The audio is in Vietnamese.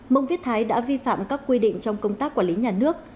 mông viết thái đã vi phạm các quy định trong công tác quản lý nhà nước